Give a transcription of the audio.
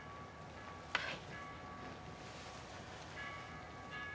はい。